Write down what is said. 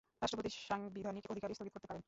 রাষ্ট্রপতি সাংবিধানিক অধিকার স্থগিত করতে পারেন।